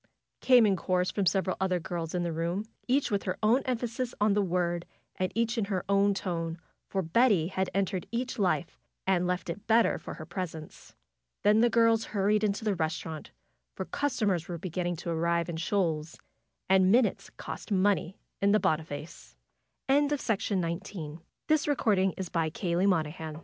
came in chorus from several other girls in the room; each with her own emphasis on the word, and each in her own tone, for Betty had entered each life and left it better for her presence. Then the girls hurried into the restaurant, for cus tomers were beginning to arrive in shoals, and minutes cost money in the